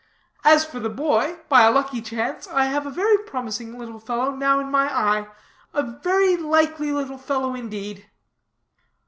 As for the boy, by a lucky chance, I have a very promising little fellow now in my eye a very likely little fellow, indeed."